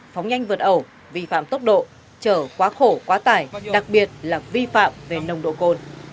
phóng nhanh vượt ẩu vi phạm tốc độ chở quá khổ quá tải đặc biệt là vi phạm về nồng độ cồn